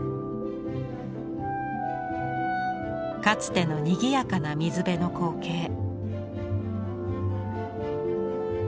かつてのにぎやかな水辺の光景。